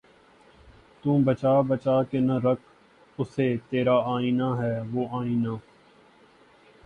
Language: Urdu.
تو بچا بچا کے نہ رکھ اسے ترا آئنہ ہے وہ آئنہ